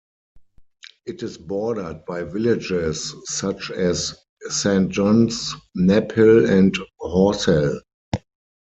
It is bordered by villages such as Saint John's, Knaphill and Horsell.